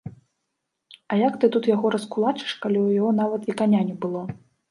А як ты тут яго раскулачыш, калі ў яго нават і каня не было?